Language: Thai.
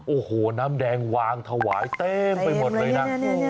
โอ้โหน้ำแดงวางถวายเต็มไปหมดเลยนะ